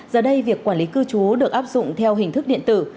giờ đây việc quản lý cư trú được áp dụng theo hình thức điện tử